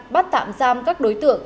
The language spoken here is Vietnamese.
bắt tạm giam các đối tượng